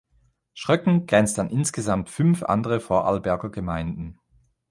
Schröcken grenzt an insgesamt fünf andere Vorarlberger Gemeinden.